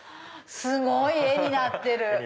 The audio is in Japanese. すごい絵になってる！